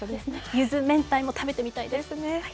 ゆず明太も食べてみたいです。